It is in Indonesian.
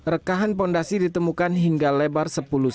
rekahan pondasi ditemukan hingga lebar